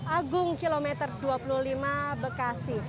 agung kilometer dua puluh lima bekasi